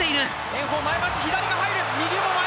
炎鵬前まわし左が入る！